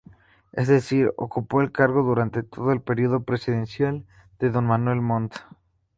Es decir, ocupó el cargo durante todo el período presidencial de don Manuel Montt.